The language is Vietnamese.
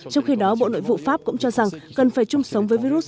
trong khi đó bộ nội vụ pháp cũng cho rằng cần phải chung sống với virus